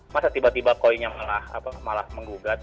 masa tiba tiba koi nya malah menggugat